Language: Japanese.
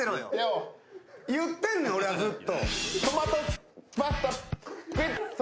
言ってんのよ、俺はずっと。